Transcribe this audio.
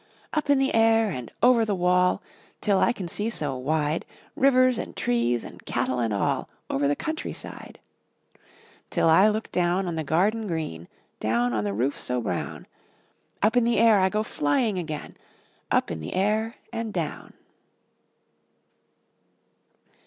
Up in the air and over the wall, Till I can see so wide. Rivers and trees and cattle and all Over the countryside — Till I look down on the garden green, Down on the roof so brown — Up in the air I go flying again. Up in the air and down!